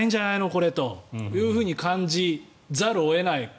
これと感じざるを得ない。